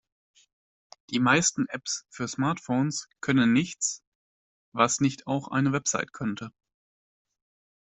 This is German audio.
Die meisten Apps für Smartphones können nichts, was nicht auch eine Website könnte.